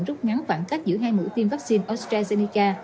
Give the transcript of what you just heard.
rút ngắn khoảng cách giữa hai mũi tiêm vaccine astrazeneca